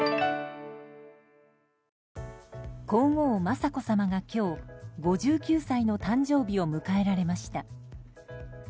皇后・雅子さまが今日、５９歳の誕生日を迎えられました。